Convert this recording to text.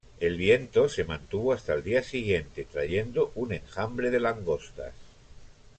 El viento se mantuvo hasta el día siguiente, trayendo un enjambre de langostas.